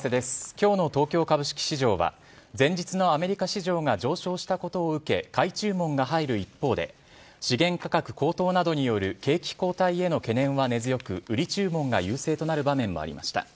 きょうの東京株式市場は、前日のアメリカ市場が上昇したことを受け、買い注文が入る一方で、資源価格高騰などによる景気後退への懸念は根強く、売り注文が優勢となる場面もありました。